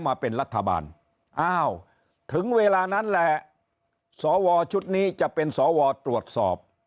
มาเป็นรัฐบาลอ้าวถึงเวลานั้นแหละสวชุดนี้จะเป็นสวตรวจสอบ